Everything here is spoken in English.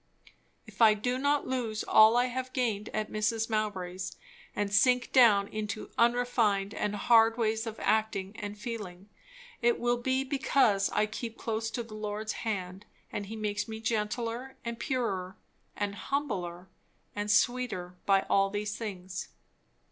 If I do not lose all I have gained at Mrs. Mowbray's, and sink down into unrefined and hard ways of acting and feeling, it will be because I keep close to the Lord's hand and he makes me gentler and purer and humbler and sweeter by all these things.